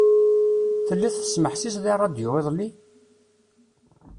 Telliḍ tesmeḥsiseḍ i rradyu iḍelli?